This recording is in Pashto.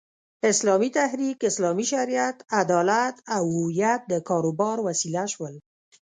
اسلامي تحریک، اسلامي شریعت، عدالت او هویت د کاروبار وسیله شول.